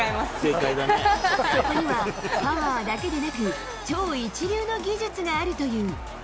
そこにはパワーだけでなく、超一流の技術があるという。